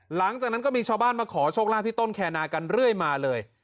หลังจากนั้นก็มีชาวบ้านมาขอโชคลาภที่ต้นแคนากันเรื่อยมาเลย